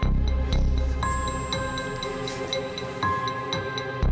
terima kasih pak